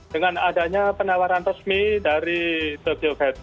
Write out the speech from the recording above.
dengan adanya penawaran resmi dari tokyo fed